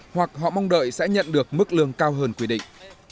hoặc họ mong đợi sẽ nhận được mức lương cao hơn quy định